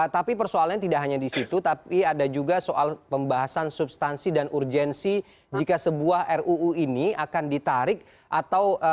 tapi persoalannya tidak hanya di situ tapi ada juga soal pembahasan substansi dan urgensi jika sebuah ruu ini akan ditarik atau